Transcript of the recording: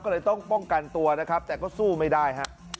ก็เลยต้องป้องกันตัวนะครับแต่ก็สู้ไม่ได้ฮะ